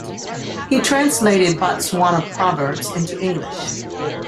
He has translated Botswana proverbs into English.